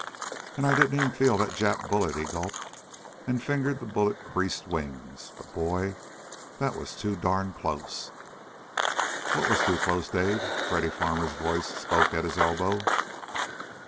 "And I didn't even feel that Jap bullet!" he gulped, and fingered the bullet creased wings. "But, boy, that that was too darn close!" "What was too close, Dave?" Freddy Farmer's voice spoke at his elbow.